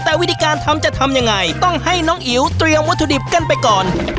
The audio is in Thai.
แต่วิธีการทำจะทำยังไงต้องให้น้องอิ๋วเตรียมวัตถุดิบกันไปก่อน